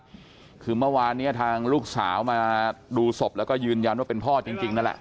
คือเมื่อวานเนี้ยทางลูกสาวมาดูศพแล้วก็ยืนยันว่าเป็นพ่อจริงจริงนั่นแหละ